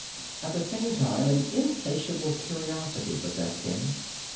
At the same time an insatiable curiosity possessed him.